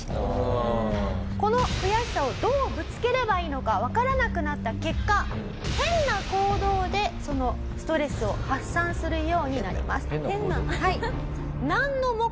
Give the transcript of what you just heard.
この悔しさをどうぶつければいいのかわからなくなった結果変な行動でそのストレスを発散するようになります。